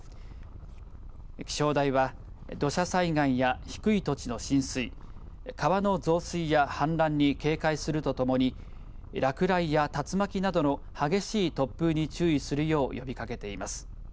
気象台は土砂災害や低い土地の浸水川の増水や氾濫に警戒するとともに落雷や竜巻などの激しい突風に注意するよう呼びかけています。